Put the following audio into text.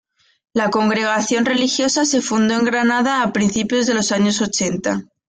La congregación religiosa se fundó en Granada a principios de los años ochenta.